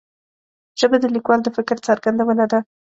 ژبه د لیکوال د فکر څرګندونه ده